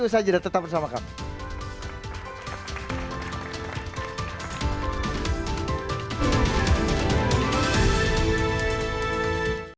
usaha jeda tetap bersama kami